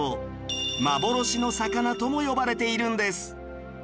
幻の魚とも呼ばれているんです